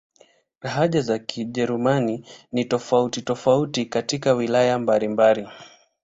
Lahaja za Kijerumani ni tofauti-tofauti katika wilaya mbalimbali.